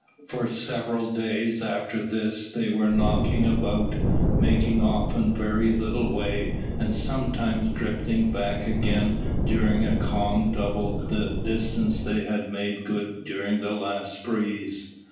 For several days after this they were knocking about, making often very little way, and sometimes drifting back again during a calm double the distance they had made good during the last breeze.